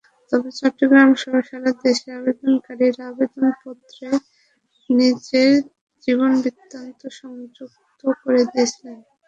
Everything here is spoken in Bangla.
তবে চট্টগ্রামসহ সারা দেশের আবেদনকারীরা আবেদনপত্রে নিজের জীবনবৃত্তান্ত সংযুক্ত করে দিয়েছেন।